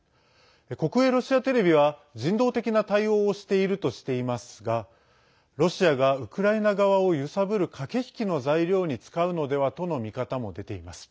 国営ロシアテレビは人道的な対応をしているとしていますがロシアがウクライナ側を揺さぶる駆け引きの材料に使うのではとの見方も出ています。